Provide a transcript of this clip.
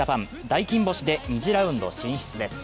大金星で２次ラウンド進出です。